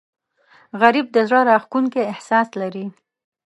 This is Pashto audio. غریب د زړه راښکونکی احساس لري